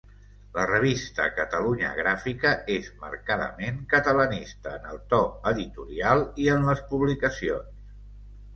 La revista Catalunya Gràfica és marcadament catalanista en el to editorial i en les publicacions.